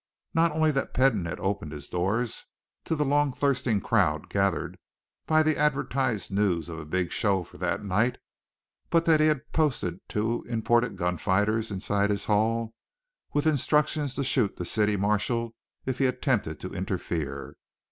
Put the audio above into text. Not only that Peden had opened his doors to the long thirsting crowd gathered by the advertised news of a big show for that night, but that he had posted two imported gun fighters inside his hall with instructions to shoot the city marshal if he attempted to interfere.